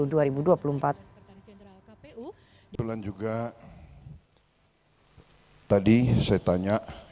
ketua umum pkb mohaimin iskandar juga tadi saya tanya